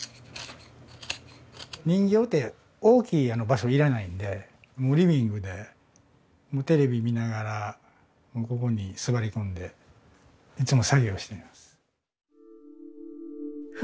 人形って大きい場所要らないんでもうリビングでテレビ見ながらここに座り込んでいつも作業しています。